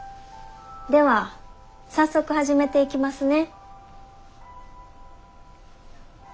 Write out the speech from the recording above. では早速始めていきますね。